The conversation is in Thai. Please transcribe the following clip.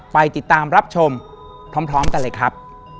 ไปติดตามรับชมพร้อมกันเลยครับ